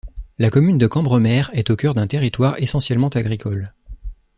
La commune de Cambremer est au cœur d'un territoire essentiellement agricole.